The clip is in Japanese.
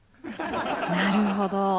なるほど。